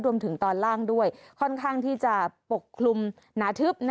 รวมถึงตอนล่างด้วยค่อนข้างที่จะปกคลุมหนาทึบ